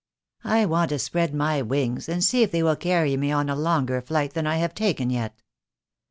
I want to spread my wings, and see if they will carry me on a longer flight than I have taken yet."